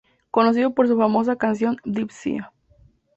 Conocido por su famosa canción "Deep sea".